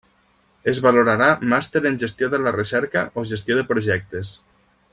Es valorarà Màster en gestió de la recerca o gestió de projectes.